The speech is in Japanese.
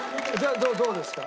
どどうですか？